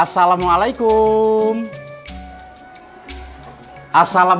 cuma mau tidur dulu mak